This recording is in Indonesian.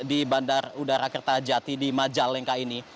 di bandar udara kertajati di majalengka ini